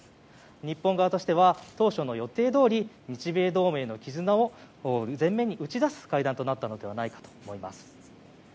日本側としては当初の予定どおり日米同盟の絆を前面に打ち出す会談になったのではないかと思います。